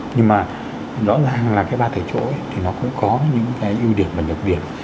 nhưng mà rõ ràng là cái ba thầy chỗ thì nó cũng có những cái ưu điểm và nhược điểm